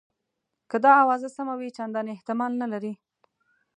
که دا آوازه سمه وي چنداني احتمال نه لري.